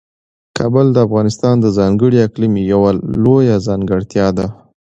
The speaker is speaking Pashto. کابل د افغانستان د ځانګړي اقلیم یوه لویه ځانګړتیا ده.